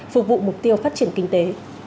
phục vụ mục tiêu phát triển kinh tế